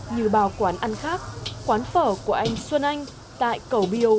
như bao quán ăn khác quán phở của anh xuân anh tại cầu biêu